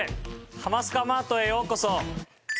ハマスカマートへようこそ。